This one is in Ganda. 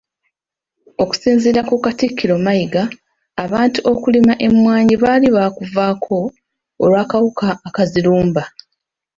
Okusinziira ku Katikkiro Mayiga, abantu okulima emmwanyi baali baakuvaako olw’akawuka akazirumba.